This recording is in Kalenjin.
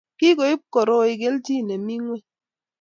Kikoib koroi kelchin nemi ngweny